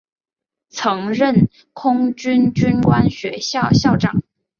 曾任空军军官学校校长。